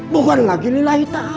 bukan lagi lillahi ta'ala